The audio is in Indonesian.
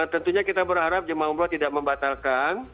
tentunya kita berharap jemaah umroh tidak membatalkan